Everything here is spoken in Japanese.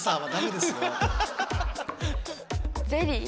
ゼリー！